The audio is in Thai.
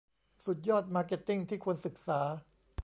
สุดยอดมาร์เก็ตติ้งที่ควรศึกษา